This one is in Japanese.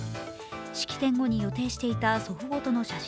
式典後に予定していた祖父母との写真